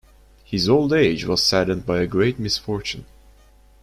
His old age was saddened by a great misfortune.